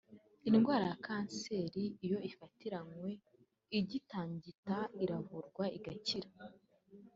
Indwara ya kanseri iyo ifatiranywe igitangita iravurwa igakira